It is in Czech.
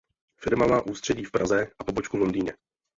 Firma má ústředí v Praze a pobočku v Londýně.